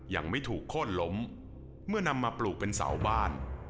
ยังไม่ถูกโค้นล้มเมื่อนำมาปลูกเป็นเสาบ้าน